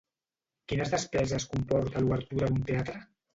Quines despeses comporta l'obertura d'un teatre?